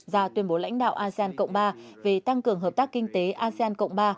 ra tuyên bố lãnh đạo asean cộng ba về tăng cường hợp tác kinh tế asean cộng ba